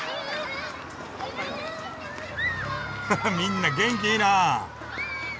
ははみんな元気いいな。